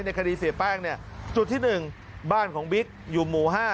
คดีเสียแป้งเนี่ยจุดที่๑บ้านของบิ๊กอยู่หมู่๕